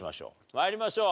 参りましょう。